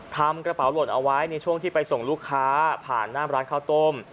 ทำกระเป๋าหล่นเอาไว้ในช่วงที่ไปส่งลูกค้าผ่านหน้าร้านข้าวต้ม